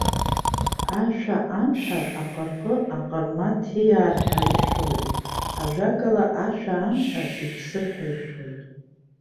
Ашәа амҳәар аҟырҟы аҟарма ҭиаар ҳәа ишәоит, ажәакала, ашәа амҳәар иԥсыр ҳәа ишәоит.